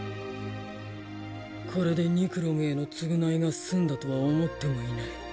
これでニクロムへの償いが済んだとは思ってもいない。